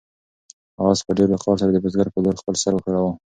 آس په ډېر وقار سره د بزګر په لور خپل سر وښوراوه.